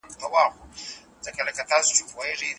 د سولي لپاره عملي ګامونه اخیستل د وخت اړتیا ده.